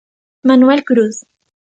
Manuel Cruz.